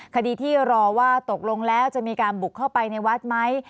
คดีที่รอว่าตกลงแล้วจะมีการบุกเข้าไปในวัดไหม